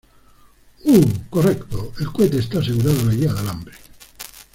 Uh, correcto. El cohete esta asegurado a la guia de alambre.